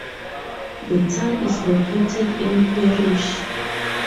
The town is located in Parish.